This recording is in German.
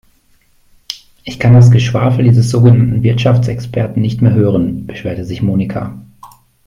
"Ich kann das Geschwafel dieses sogenannten Wirtschaftsexperten nicht mehr hören", beschwerte sich Monika.